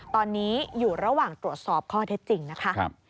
ตอนนี้อยู่ระหว่างตรวจสอบข้อเท็จจริงนะคะ